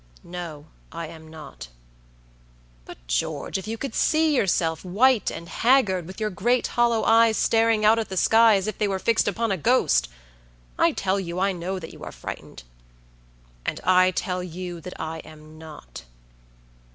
"No, I am not." "But, George, if you could see yourself, white and haggard, with your great hollow eyes staring out at the sky as if they were fixed upon a ghost. I tell you I know that you are frightened." "And I tell you that I am not."